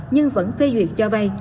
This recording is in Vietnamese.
nhưng vẫn phê duyệt cho vay